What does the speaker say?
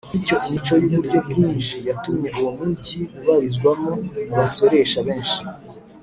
bityo imico y’uburyo bwinshi yatumye uwo mugi ubarizwamo abasoresha benshi